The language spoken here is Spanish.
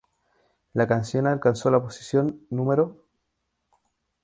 La canción alcanzó la posición No.